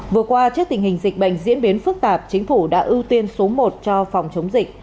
vừa qua trước tình hình dịch bệnh diễn biến phức tạp chính phủ đã ưu tiên số một cho phòng chống dịch